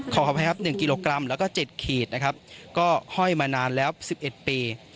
ขออภัยครับ๑กิโลกรัมแล้วก็๗ขีดนะครับก็ห้อยมานานแล้ว๑๑ปี